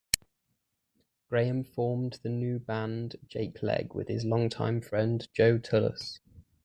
Graham formed the new band Jakeleg with his long-time friend Joe Tullos.